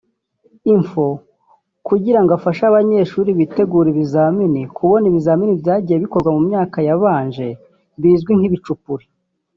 Info kugira ngo afashe abanyeshuri bitegura ibizamini kubona ibizamini byagiye bikorwa mu myaka yabanje bizwi nk’ ibicupuri